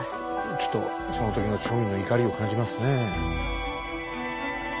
ちょっとその時の庶民の怒りを感じますね。